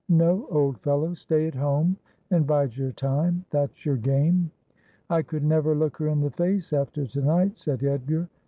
No, old fellow ; stay at home and bide your time. That's your game.' ' I could never look her in the face after to night,' said Edgar.